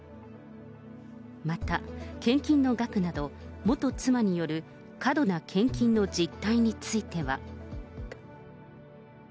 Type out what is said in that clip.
また、献金の額など、元妻による過度な献金の実態については。